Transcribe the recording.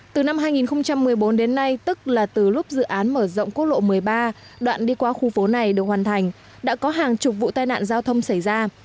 từ năm hai nghìn một mươi bốn đến nay tức là từ lúc dự án mở rộng quốc lộ một mươi ba đoạn đi qua khu phố này được hoàn thành đã có hàng chục vụ tai nạn giao thông xảy ra